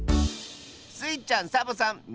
スイちゃんサボさん